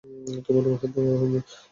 তোমার রুমে হাত দেওয়া হয়নি।